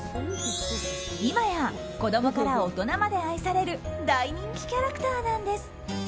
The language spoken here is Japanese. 今や、子供から大人まで愛される大人気キャラクターなんです。